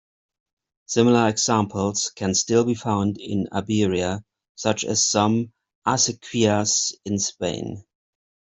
Similar examples can still be found in Iberia, such as some Acequias in Spain.